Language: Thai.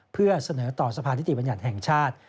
เพื่อเสนอต่อสภานิติบัญญัติแห่งชาติ